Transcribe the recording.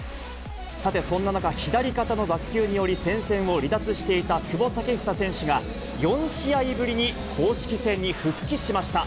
さて、そんな中、左肩の脱臼により戦線を離脱していた久保建英選手が、４試合ぶりに公式戦に復帰しました。